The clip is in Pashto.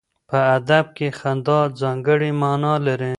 په ادب کې خندا ځانګړی معنا لري.